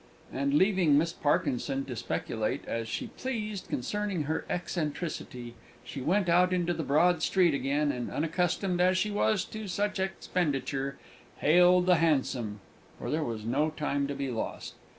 And, leaving Miss Parkinson to speculate as she pleased concerning her eccentricity, she went out into the broad street again; and, unaccustomed as she was to such expenditure, hailed a hansom; for there was no time to be lost.